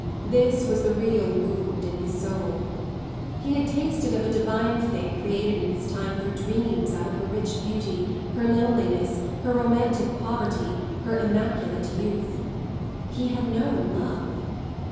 This was the real wound in his soul. He had tasted of a divine thing created in his time for dreams out of her rich beauty, her loneliness, her romantic poverty, her immaculate youth. He had known love.